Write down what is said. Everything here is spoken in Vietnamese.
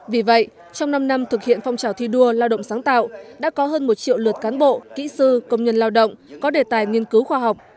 vì vậy trong năm năm thực hiện phong trào thi đua lao động sáng tạo đã có hơn một triệu lượt cán bộ kỹ sư công nhân lao động có đề tài nghiên cứu khoa học